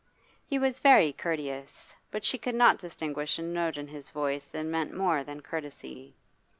He was very courteous, but she could not distinguish a note in his voice that meant more than courtesy.